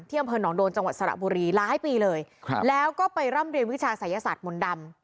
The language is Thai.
อำเภอหนองโดนจังหวัดสระบุรีหลายปีเลยครับแล้วก็ไปร่ำเรียนวิชาศัยศาสตร์มนต์ดำ